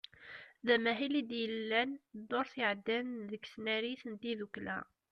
D amahil i d-yellan ddurt iɛeddan deg tnarit n tiddukla.